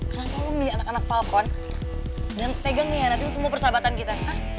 anak anak falcon dan tegangnya nanti semua persahabatan kita